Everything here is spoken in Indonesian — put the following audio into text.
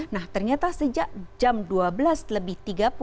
nah ternyata sejak jam dua belas lebih tiga puluh